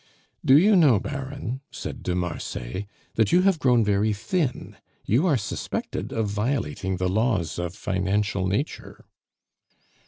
"Do you know, Baron," said de Marsay, "that you have grown very thin? You are suspected of violating the laws of financial Nature."